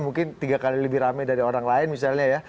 mungkin tiga kali lebih rame dari orang lain misalnya ya